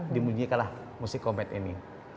dimunyikanlah musik komet ini